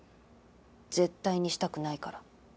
絶対にしたくないから。